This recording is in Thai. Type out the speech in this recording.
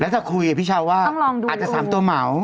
แล้วถ้าคุยกับพี่เช้าว่าอาจจะ๓ตัวเหมา